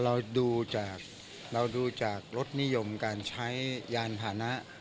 เราดูจากเราดูจากรสนิยมการใช้ยานพานะ